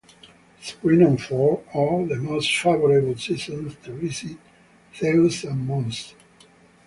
Spring and fall are the most favorable seasons to visit Zeus and Moses.